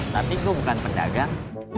tapi gue bukan pedagang